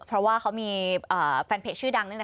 เพราะว่าเขามีแฟนเพจชื่อดังนึงนะคะ